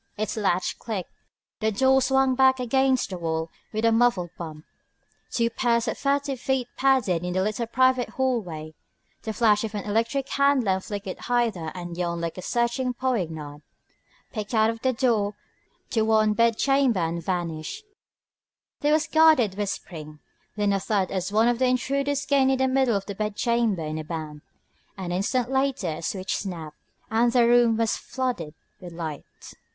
Its latch clicked. The door swung back against the wall with a muffled bump. Two pairs of furtive feet padded in the little private hallway. The flash of an electric hand lamp flickered hither and yon like a searching poignard, picked out the door to the one bedchamber and vanished. There was guarded whispering, then a thud as one of the intruders gained the middle of the bedchamber in a bound. An instant later a switch snapped, and the room was flooded with light.